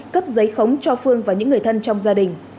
cấp giấy khống cho phương và những người thân trong gia đình